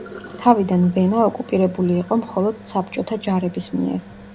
თავიდან ვენა ოკუპირებული იყო მხოლოდ საბჭოთა ჯარების მიერ.